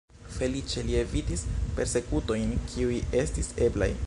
Feliĉe, li evitis persekutojn, kiuj estis eblaj.